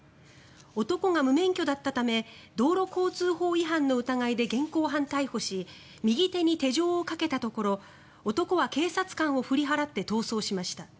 男が無免許だったため道路交通法違反の疑いで現行犯逮捕し右手に手錠をかけたところ男は警察官を振り払って逃走しました。